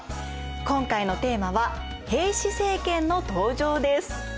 今回のテーマは「平氏政権の登場」です。